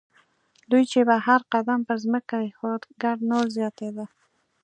دوی چې به هر قدم پر ځمکه اېښود ګرد نور زیاتېده.